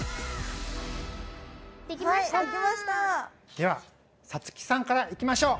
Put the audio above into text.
ではさつきさんからいきましょう。